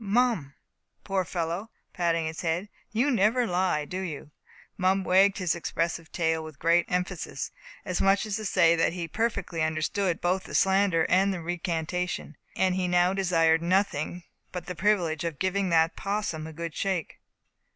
Mum, poor fellow," patting his head, "you never lie, do you?" Mum wagged his expressive tail with great emphasis, as much as to say that he perfectly understood both the slander and the recantation, and that he now desired nothing but the privilege of giving that 'possum a good shake.